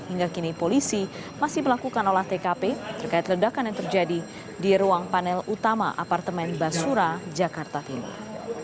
hingga kini polisi masih melakukan olah tkp terkait ledakan yang terjadi di ruang panel utama apartemen basura jakarta timur